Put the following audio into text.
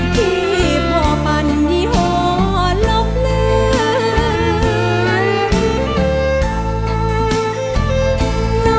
ที่พ่อปัญห์ยอดลบเลือน